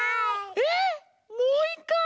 えっもういっかい？